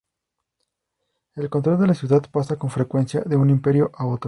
El control de la ciudad pasa con frecuencia de un imperio a otro.